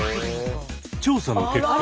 調査の結果